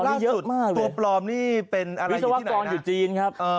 ล่าสุดตัวปลอมนี่เป็นอะไรอยู่ที่ไหนนะวิศวะกรอยู่จีนครับ